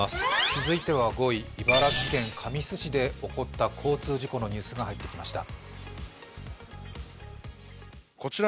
続いては５位、茨城県神栖市で起こった交通事故のニュースが入ってきました。